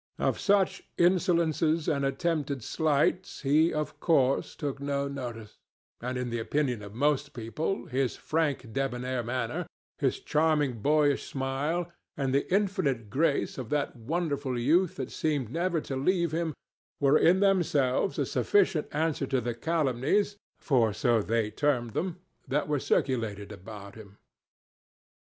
Of such insolences and attempted slights he, of course, took no notice, and in the opinion of most people his frank debonair manner, his charming boyish smile, and the infinite grace of that wonderful youth that seemed never to leave him, were in themselves a sufficient answer to the calumnies, for so they termed them, that were circulated about him.